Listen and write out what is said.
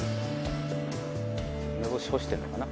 梅干し干してるのかな。